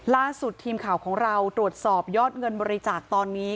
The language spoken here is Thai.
ล่าสุดทีมข่าวของเราตรวจสอบยอดเงินบริจาคตอนนี้